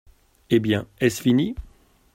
Eh bien, est-ce fini ?